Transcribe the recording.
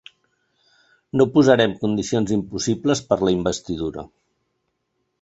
No posarem condicions impossibles per a la investidura.